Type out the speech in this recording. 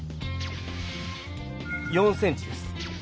４ｃｍです。